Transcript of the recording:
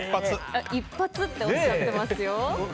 一発っておっしゃってますよ。